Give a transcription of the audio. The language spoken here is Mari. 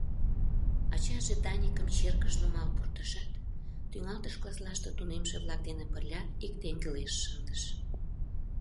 Ачаже Даникым черкыш нумал пуртышат, тӱҥалтыш класслаште тунемше-влак дене пырля ик теҥгылеш шындыш.